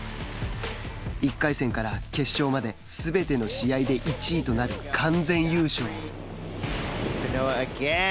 １回戦から決勝まですべての試合で１位となる完全優勝。